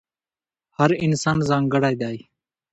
هر انسان ځانګړی دی.